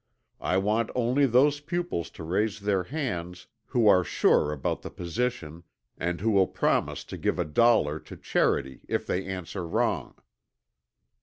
I want only those pupils to raise their hands who are sure about the position and who will promise to give a dollar to charity if they answer wrong.'